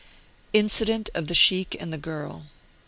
INCIDENT OF THE SHEIKH AND THE GIRL.